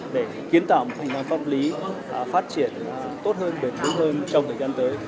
để kiến tạo một hình đoàn pháp lý phát triển tốt hơn bền đúng hơn trong thời gian tới